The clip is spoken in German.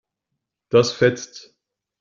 Das fetzt.